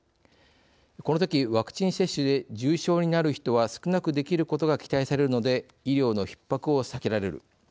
このときワクチン接種で重症になる人は少なくできることが期待されるので医療のひっ迫を避けられる。